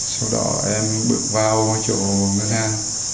sau đó em bước vào chỗ ngân hàng